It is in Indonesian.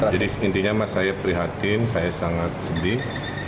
jadi seintinya saya prihatin saya sangat sedih